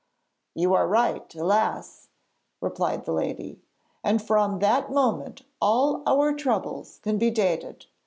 'You are right, alas!' replied the lady, 'and from that moment all our troubles can be dated.